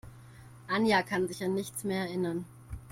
Anja kann sich an nichts mehr erinnern.